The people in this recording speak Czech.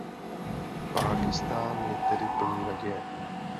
Pákistán je tedy plný naděje.